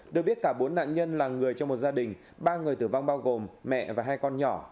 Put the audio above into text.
được biết cả bốn nạn nhân là người trong một gia đình ba người tử vong bao gồm mẹ và hai con nhỏ